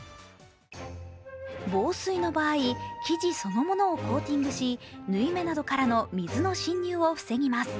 防水の場合、生地そのものをコーティングし縫い目などからの水の侵入を防ぎます。